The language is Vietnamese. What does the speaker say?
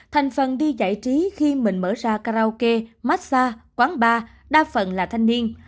thành phần đi giải trí khi mình mở ra karaoke massage quán bar đa phần là thanh niên